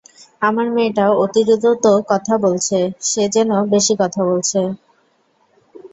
আমার মেয়েটা অতি দ্রুত কথা বলছে, সেই যেন বেশি কথা বলছে।